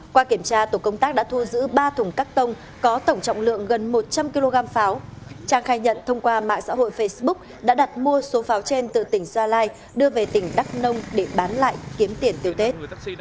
qua kiểm tra tổ công tác đã thu giữ ba thùng cắt tông có tổng trọng lượng gần một trăm linh kg pháo trang khai nhận thông qua mạng xã hội facebook đã đặt mua số pháo trên từ tỉnh gia lai đưa về tỉnh đắk nông để bán lại kiếm tiền tiêu tết